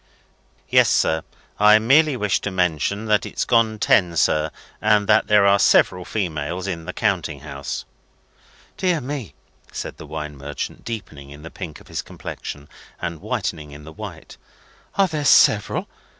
"Yes, sir. I merely wished to mention that it's gone ten, sir, and that there are several females in the Counting house." "Dear me!" said the wine merchant, deepening in the pink of his complexion and whitening in the white, "are there several?